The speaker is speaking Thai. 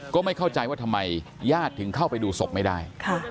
ก็ไม่เข้าใจว่าทำไมญาติถึงเข้าไปดูศพไม่ได้